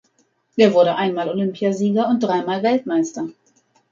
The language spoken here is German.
Er wurde einmal Olympiasieger und dreimal Weltmeister.